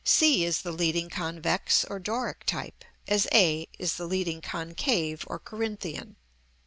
c is the leading convex or Doric type, as a is the leading concave or Corinthian.